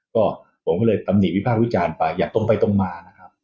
ก็ผมก็เลยตำหนิวิพากษ์วิจารณ์ไปอย่างตรงไปตรงมานะครับ